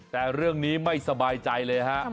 แต่เรื่องนี้ไม่สบายใจเลยฮะ